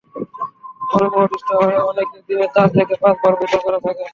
গরমে অতিষ্ঠ হয়ে অনেকে দিনে চার থেকে পাঁচবারও গোসল করে থাকেন।